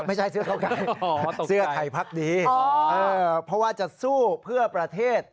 ไม่ใช่เสื้อไทยพักดีเพราะว่าจะสู้เพื่อประเทศ